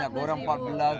pak tadi yang menarik pak